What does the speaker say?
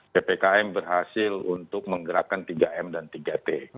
ppkm berhasil untuk menggerakkan tiga m dan tiga t